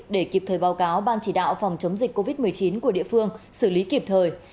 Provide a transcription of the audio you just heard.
để kịp thời báo cáo ban chỉ đạo phòng chống dịch covid một mươi chín của địa phương xử lý kịp thời